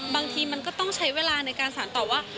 บางทีมันก็ต้องใช้เวลาในการสารตอบว่า